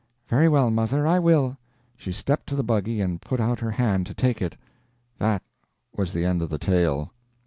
"Very well, Mother, I will." She stepped to the buggy and put out her hand to take it That was the end of the tale.